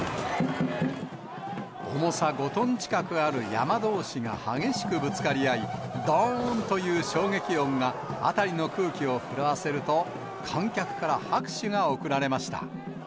重さ５トン近くある山車どうしが激しくぶつかり合い、どーんという衝撃音が辺りの空気を震わせると、観客から拍手が送られました。